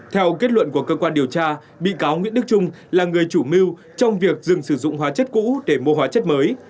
theo kết luận của cơ quan điều tra bị cáo nguyễn đức trung là người chủ mưu trong việc dừng sử dụng hóa chất cũ để mua hóa chất mới